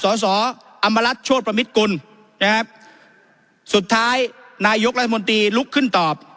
สอสออำมารัฐโชธประมิตกุลนะครับสุดท้ายนายกรัฐมนตรีลุกขึ้นตอบ